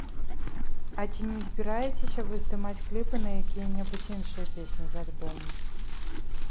А ці не збіраецеся вы здымаць кліпы на якія-небудзь іншыя песні з альбому?